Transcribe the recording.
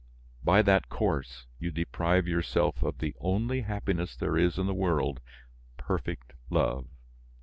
By that course, you deprive yourself of the only happiness there is in the world perfect love.